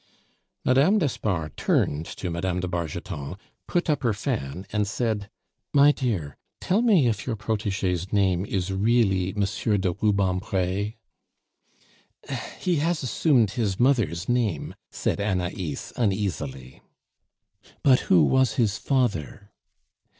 Mme. d'Espard turned to Mme. de Bargeton, put up her fan, and said, "My dear, tell me if your protege's name is really M. de Rubempre?" "He has assumed his mother's name," said Anais, uneasily. "But who was his father?"